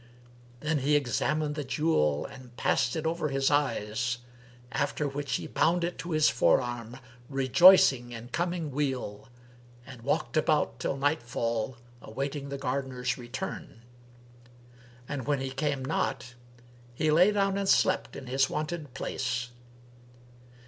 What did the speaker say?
Then he examined the jewel and passed it over his eyes[FN#329]; after which he bound it to his forearm, rejoicing in coming weal, and walked about till nightfall awaiting the gardener's return; and when he came not, he lay down and slept in his wonted place.